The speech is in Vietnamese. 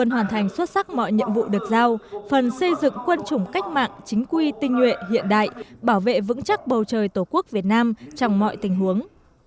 hoàn thành xuất sắc mọi nhiệm vụ được giao phần xây dựng quân chủng cách mạng chính quy tinh nhuệ hiện đại bảo vệ vững chắc bầu trời tổ quốc việt nam trong mọi tình huống